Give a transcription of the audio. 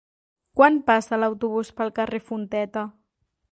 Quan passa l'autobús pel carrer Fonteta?